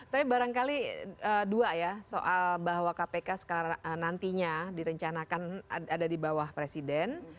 tapi barangkali dua ya soal bahwa kpk sekarang nantinya direncanakan ada di bawah presiden